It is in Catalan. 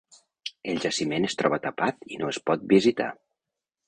El jaciment es troba tapat i no es pot visitar.